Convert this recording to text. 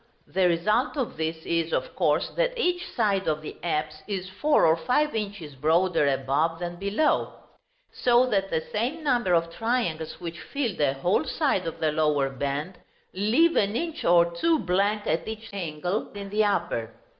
The result of this is, of course, that each side of the apse is four or five inches broader above than below; so that the same number of triangles which filled a whole side of the lower band, leave an inch or two blank at each angle in the upper.